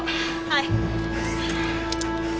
はい。